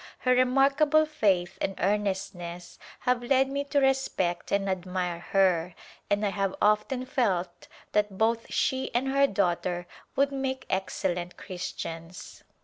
Her remarkable faith and earnestness have led me to respect and admire her, and I have often felt that both she and her daughter would make excellent Christians.